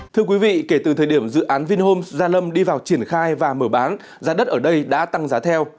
thưa quý vị kể từ thời điểm dự án vinhome gia lâm đi vào triển khai và mở bán giá đất ở đây đã tăng giá theo